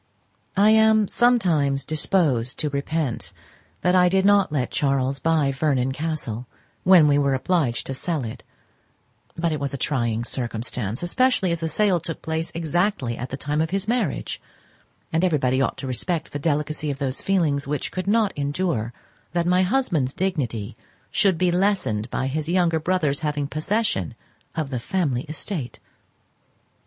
I am sometimes disposed to repent that I did not let Charles buy Vernon Castle, when we were obliged to sell it; but it was a trying circumstance, especially as the sale took place exactly at the time of his marriage; and everybody ought to respect the delicacy of those feelings which could not endure that my husband's dignity should be lessened by his younger brother's having possession of the family estate.